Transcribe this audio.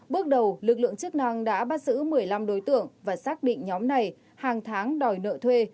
bước đầu lực lượng chức năng đã bắt giữ một mươi năm đối tượng và xác định nhóm này hàng tháng đòi nợ thuê